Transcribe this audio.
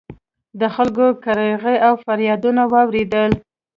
د خلکو کریغې او فریادونه واورېدل